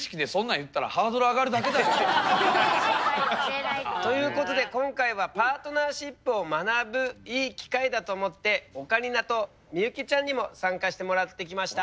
言ったらハードル上がるだけだよ。ということで今回はパートナーシップを学ぶいい機会だと思ってオカリナと幸ちゃんにも参加してもらってきました。